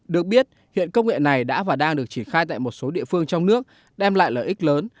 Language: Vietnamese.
được biết hiện công nghệ này đã và đang được triển khai tại một số địa phương trong nước đem lại lợi ích lớn